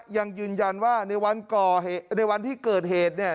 ยังยืนยันว่าในวันที่เกิดเหตุเนี่ย